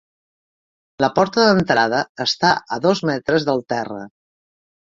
La porta d'entrada està a dos metres del terra.